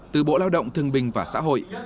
từ bộ lao động thương bình và xã hội